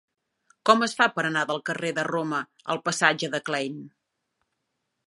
Com es fa per anar del carrer de Roma al passatge de Klein?